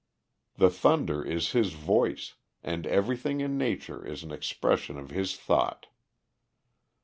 The thunder is His voice, and everything in Nature is an expression of His thought.